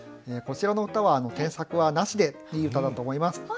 こちらの歌は添削はなしでいい歌だと思います。